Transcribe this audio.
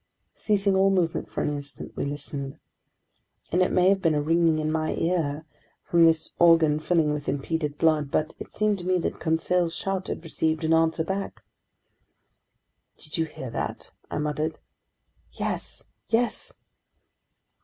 Ceasing all movement for an instant, we listened. And it may have been a ringing in my ear, from this organ filling with impeded blood, but it seemed to me that Conseil's shout had received an answer back. "Did you hear that?" I muttered. "Yes, yes!"